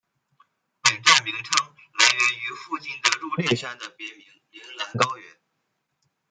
本站名称来源于附近的入笠山的别名铃兰高原。